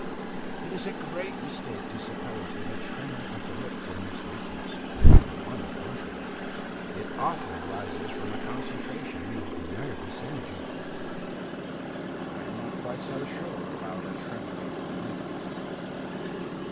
It is a great mistake to suppose that a tremor of the lip denotes weakness; on the contrary, it often arises from a concentration of nervous energy. I am not quite so sure about a tremor of the knees.